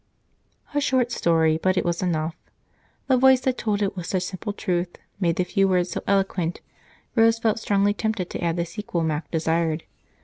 A short story, but it was enough the voice that told it with such simple truth made the few words so eloquent, Rose felt strongly tempted to add the sequel Mac desired.